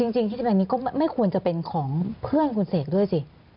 จริงที่จะเป็นนี้ก็ไม่ควรจะเป็นของเพื่อนคุณเสกด้วยสิ